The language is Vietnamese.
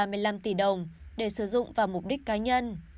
thắng đã giữ lại hơn ba mươi năm tỷ đồng để sử dụng vào mục đích cá nhân